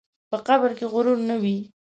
په قبر کې غرور نه وي.